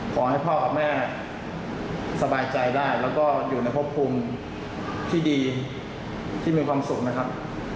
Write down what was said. ขอให้พ่อกับแม่สบายใจได้แล้วก็อยู่ในพบภูมิที่ดีที่มีความสุขนะครับ